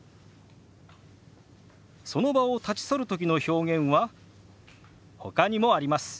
その場を立ち去るときの表現はほかにもあります。